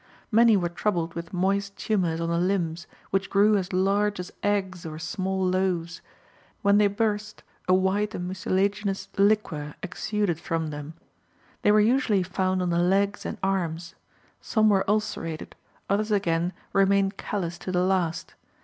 Many were troubled with moist tumors on the limbs, which grew as large as eggs or small loaves. When they burst, a white and mucilaginous liquor exuded from them. They were usually found on the legs and arms. Some were ulcerated, others again remained callous to the last.